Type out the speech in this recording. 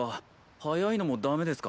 早いのもダメですか。